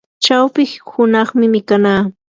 chawpi hunaqmi mikanaa.